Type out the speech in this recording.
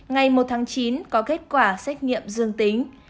ngày một tháng chín có kết quả xét nghiệm dương tính